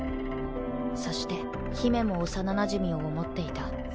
そして姫も幼なじみを思っていた。